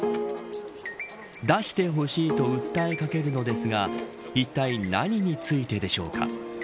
出してほしいと訴え掛けるのですがいったい何についてでしょうか。